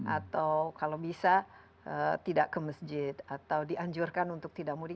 atau kalau bisa tidak ke masjid atau dianjurkan untuk tidak mudik